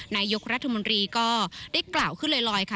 นายกรัฐมนตรีก็ได้กล่าวขึ้นลอยค่ะ